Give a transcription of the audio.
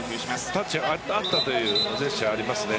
タッチがあったというジェスチャーがありますね。